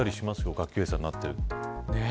学級閉鎖になってるの。